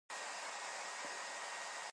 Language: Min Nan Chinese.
三溪水，洗袂清